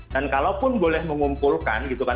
dan kalaupun boleh mengumpulkan gitu kan